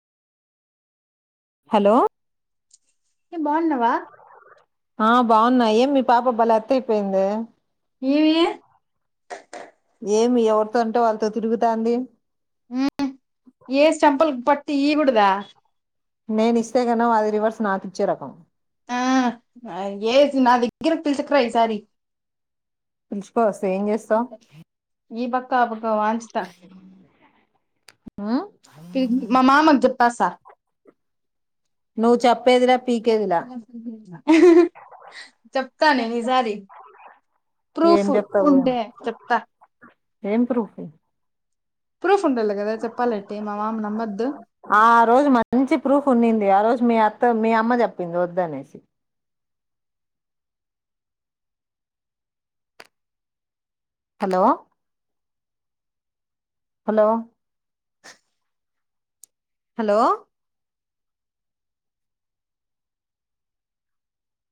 Hello ఏ బాగున్నవా ఆ బాగున్నా ఏం మీ పాప బలే అత్త అయిపోయింది. ఏమి ఏమి ఎవరితో అంటే వాళ్ళతో తిరుగుతాంది. ఏసి చంపల్ పట్ తీయకూడద నేను ఇస్తే గన్ వాల్ రివర్స్ నాకు ఇచ్చే రకం ఆ అయ్ ఏసినది గిర్ పిసాకు [unintelligible] ఈసారి సారి పిల్ చుకొన్ ఓస్తే ఏం చేస్తావ్ ఈ పక్క ఆ పక్ కో వంచుత ఉమ్ కిడ్ మా మామాకు జెప్ కసా నువ్ చెప్ ఆహా ఆహా [unintelligible] చెప్తానేన్ ఈసారి ప్రూఫ్ ఏం చెప్తావు ఉంటే చెప్తా ఏం ప్రూఫ్ ప్రూఫ్ ఉండాలి కదా చెప్పాలంటే మా మామ నమ్మదు ఆ రోజు మంచి ప్రూఫ్ ఉన్నింది ఆ రోజ మీ అత్త మీ అమ్మ జేప్పింది ఒద్దు అనీ హలో హలో హలో